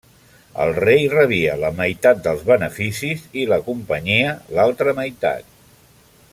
El rei rebia la meitat dels beneficis i la companyia l'altra meitat.